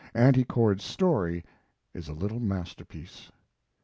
Auntie Cord's story is a little masterpiece.